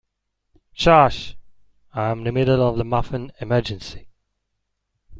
Shush! I'm in the middle of a muffin emergency.